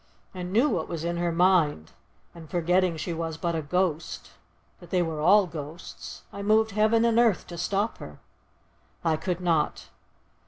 I knew what was in her mind, and—forgetting she was but a ghost—that they were all ghosts—I moved heaven and earth to stop her. I could not.